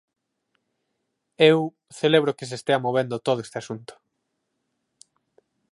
Eu celebro que se estea movendo todo este asunto.